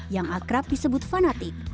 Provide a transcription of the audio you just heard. yang akrab disebut fanatik